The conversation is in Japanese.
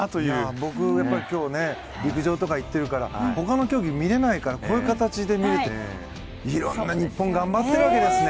僕、今日は陸上とか行ってるから他の競技見れないからこういう形で見れて日本頑張ってるわけですね。